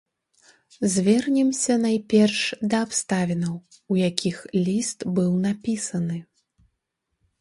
Звернемся найперш да абставінаў, у якіх ліст быў напісаны.